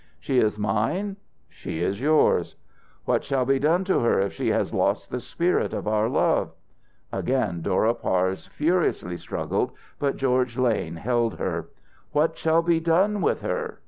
"She is mine?" "She is yours." "What shall be done to her if she has lost the spirit of our love?" Again Dora Parse furiously struggled, but George Lane held her. "What shall be done with her?